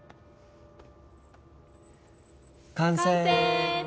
完成！